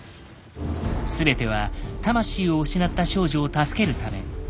全ては魂を失った少女を助けるため。